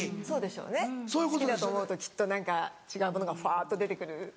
そうでしょうね好きだと思うときっと何か違うものがファっと出て来る。